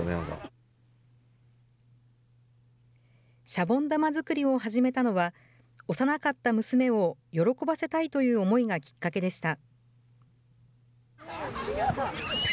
シャボン玉作りを始めたのは、幼かった娘を喜ばせたいという思いがきっかけでした。